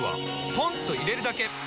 ポンと入れるだけ！